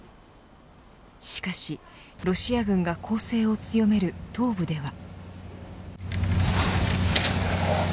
しかしロシア軍が攻勢を強める東部では。